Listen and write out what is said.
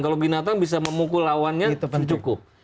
kalau binatang bisa memukul lawannya cukup